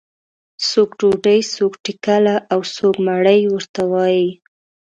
څوک ډوډۍ، څوک ټکله او څوک مړۍ ورته وایي.